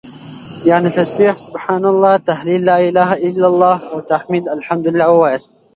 يعنې تسبيح سبحان الله، تهليل لا إله إلا الله او تحميد الحمد لله واياست